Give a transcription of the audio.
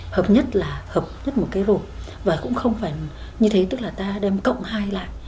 hợp nhất là hợp nhất một cái rồi và cũng không phải như thế tức là ta đem cộng hai lại